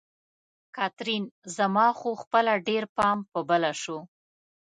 کاترین: زما خو خپله ډېر پام په بله شو.